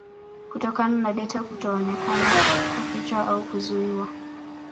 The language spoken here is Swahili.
Kutokana na data kutoonekana kufichwa au kuzuiwa